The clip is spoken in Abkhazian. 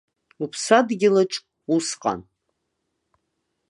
Уԥсадгьылаҿ усҟан.